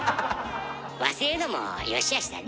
忘れるのもよしあしだね。